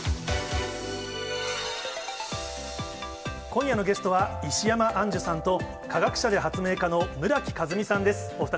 今夜のゲストは、石山アンジュさんと、化学者で発明家の村木風海さんです。